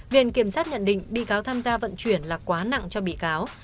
viện kiểm sát nhận định bị cáo tham gia vận chuyển là quá nặng cho bị cáo